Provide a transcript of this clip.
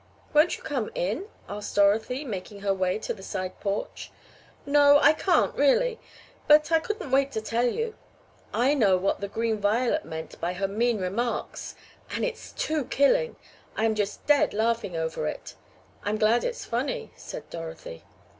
"Won't you come in?" asked Dorothy, making her way to the side porch. "No, I can't, really. But I couldn't wait to tell you. I know what the Green Violet meant by her mean remarks. And it's too killing. I am just dead laughing over it." "I'm glad it's funny," said Dorothy.